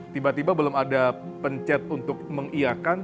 tiba tiba belum ada pencet untuk mengiakan